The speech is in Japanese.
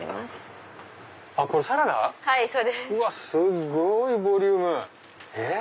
すごいボリューム！